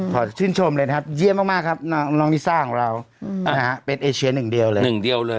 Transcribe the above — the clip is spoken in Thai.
ขอชื่นชมเลยนะครับเยี่ยมมากครับน้องลิซ่าของเรานะฮะเป็นเอเชียนหนึ่งเดียวเลย